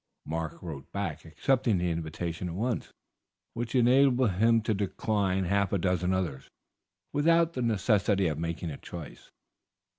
Mark wrote back accepting the invitation at once, which enabled him to decline half a dozen others without the necessity of making a choice.